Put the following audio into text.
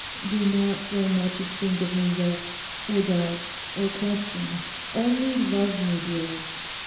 'Do not so much as think of me yet, or doubt, or question: only love me, dearest.